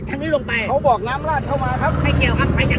นี้ลงไปเขาบอกน้ำลาดเข้ามาครับไม่เกี่ยวครับไม่เกี่ยว